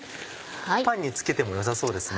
パンにつけても良さそうですね。